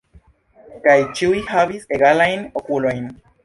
Kaj ĉiuj havis egalajn okulojn.